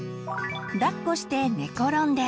だっこして寝転んで。